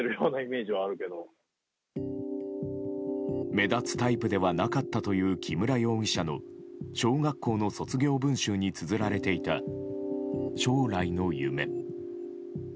目立つタイプではなかったという木村容疑者の小学校の卒業文集につづられていた将来の夢。